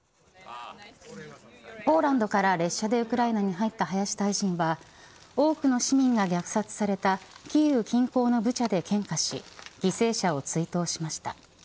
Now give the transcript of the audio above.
ポーランドから列車でウクライナに入った林大臣は多くの市民が虐殺されたキーウ近郊のブチャで献花し犠牲者を追悼しました。